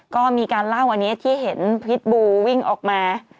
ก็มีการเล่าอันนี้ที่เห็นพิษบูวิ่งออกมา